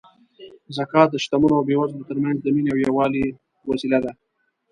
زکات د شتمنو او بېوزلو ترمنځ د مینې او یووالي وسیله ده.